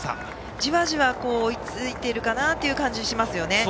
じわじわ追いついているかなという感じですね。